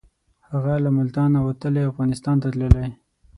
هغه له ملتانه وتلی او افغانستان ته تللی.